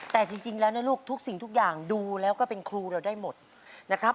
แต่จริงแล้วนะลูกทุกสิ่งทุกอย่างดูแล้วก็เป็นครูเราได้หมดนะครับ